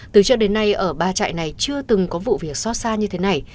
từ trước đến nay ở ba trại này chưa từng có vụ việc xót xa như thế này